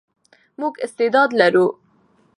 موږ استعداد لرو.